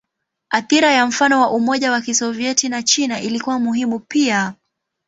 Athira ya mfano wa Umoja wa Kisovyeti na China ilikuwa muhimu pia.